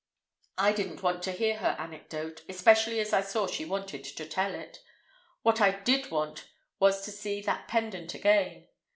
I didn't want to hear her anecdote, especially as I saw she wanted to tell it. What I did want was to see that pendant again.